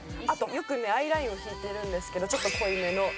あとよくねアイラインを引いてるんですけどちょっと濃い目の。